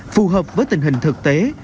phù hợp với tình hình thực tế